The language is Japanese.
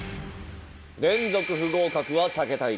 連続不合格は避けたいところ。